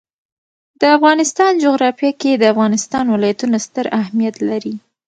د افغانستان جغرافیه کې د افغانستان ولايتونه ستر اهمیت لري.